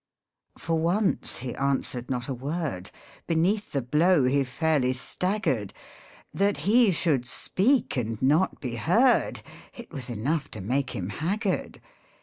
For once he answered not a word, Beneath the blow he fairly staggered ; That he should speak and not be heard, It was enough to make him haggard.